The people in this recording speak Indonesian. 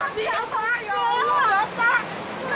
dia apa lagi ya allah bapak